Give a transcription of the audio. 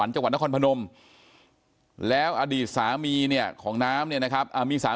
จะไปฟังนะฮะ